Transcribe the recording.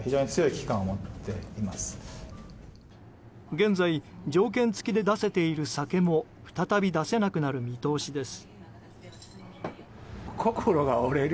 現在条件付きで出せている酒も再び出せなくなる見通しです。